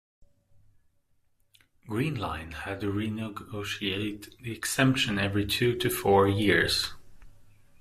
Greene Line had to renegotiate the exemption every two to four years.